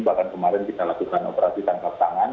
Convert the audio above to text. bahkan kemarin kita lakukan operasi tangkap tangan